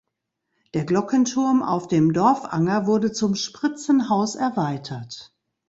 Der Glockenturm auf dem Dorfanger wurde zum Spritzenhaus erweitert.